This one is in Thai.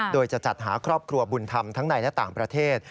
โดยจะจัดหาครอบครัวบุญธรรมทั้งในและต่างประเทศ